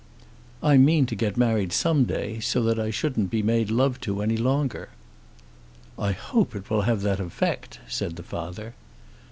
"I mean to get married some day, so that I shouldn't be made love to any longer." "I hope it will have that effect," said the father.